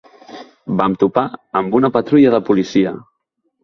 Vam topar amb una patrulla de policia.